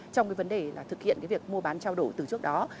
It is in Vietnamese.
trong vấn đề thực hiện việc mua bán trao đổi từ trước đó